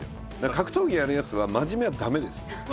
格闘技やるやつは真面目は駄目です。